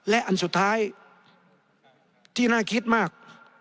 และอันสุดท้ายที่น่าคิดมาก